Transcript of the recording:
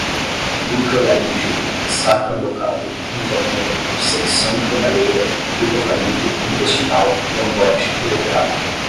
micro laringe, sacabocado, intratunel, dissecção, cremalheira, hipofaringe, intestinal, lambote, uretral